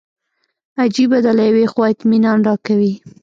عجیبه ده له یوې خوا اطمینان راکوي.